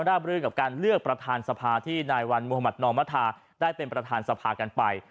บรื่นกับการเลือกประธานสภาที่นายวันมุธมัธนอมธาได้เป็นประธานสภากันไป